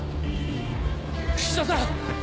菱田さん！